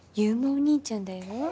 お兄ちゃんだよ